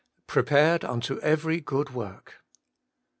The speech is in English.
'Prepared unto every good work.'